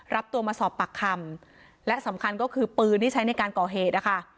รับตัวมาสอบปากคำและสำคัญก็คือปืนที่ใช้ในการก่อเหตุนะคะ